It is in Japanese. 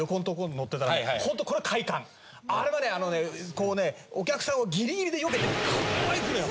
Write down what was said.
こうねお客さんをギリギリでよけてこう行くのよ